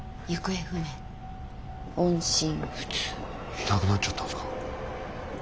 いなくなっちゃったんすか？